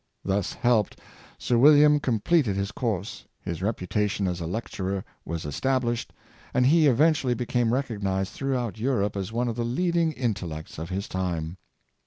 Thus helped. Sir William completed his course; his reputation as a lecturer was established, and he eventually became recognized throughout Europe as one of the leading intellects of his time.